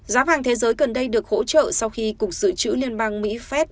giá vàng thế giới cần đây được hỗ trợ sau khi cục sử trữ liên bang mỹ phép